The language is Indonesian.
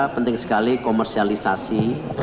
penting sekali komersialisasi